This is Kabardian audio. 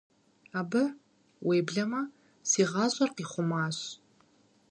Абы, уеблэмэ, си гъащӀэр къихъумащ.